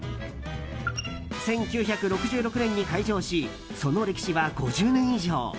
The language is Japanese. １９６６年に開場しその歴史は５０年以上。